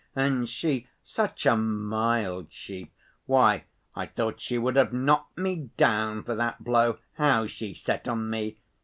And she—such a mild sheep—why, I thought she would have knocked me down for that blow. How she set on me!